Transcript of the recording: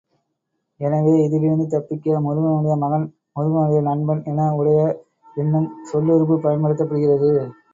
எனவே, இதிலிருந்து தப்பிக்க, முருகனுடைய மகன், முருகனுடைய நண்பன் என உடைய என்னும் சொல்லுருபு பயன்படுத்தப்படுகிறது.